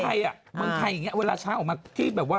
เหมือนใครอย่างนี้เวลาช้างออกมาที่แบบว่า